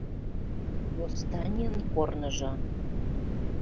ВОССТАНИЙЫН КОРНЫЖО